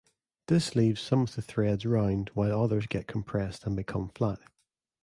This leaves some of the threads round while others get compressed and become flat.